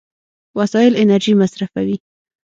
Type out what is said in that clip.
وسایل انرژي مصرفوي.